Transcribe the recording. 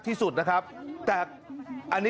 คนที่ไม่เข้าแถวจะไม่ได้นะครับ